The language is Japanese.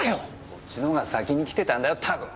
こっちのが先に来てたんだよタコ！